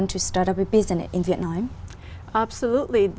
họ sẽ rất chào mừng